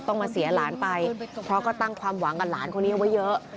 ต้องมาเสียหลานไปเพราะก็ตั้งความหวังกับหลานคนนี้เอาไว้เยอะ